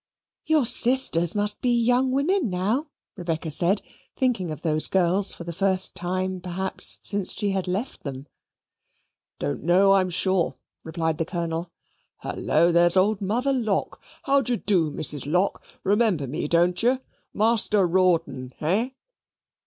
"Your sisters must be young women now," Rebecca said, thinking of those girls for the first time perhaps since she had left them. "Don't know, I'm shaw," replied the Colonel. "Hullo! here's old Mother Lock. How dy do, Mrs. Lock? Remember me, don't you? Master Rawdon, hey?